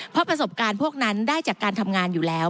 เพราะประสบการณ์พวกนั้นได้จากการทำงานอยู่แล้ว